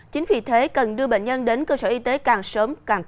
chính vì thế cần đưa bệnh nhân đến cơ sở y tế càng sớm càng tốt